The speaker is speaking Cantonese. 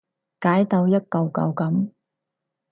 解到一舊舊噉